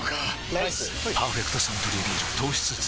ライス「パーフェクトサントリービール糖質ゼロ」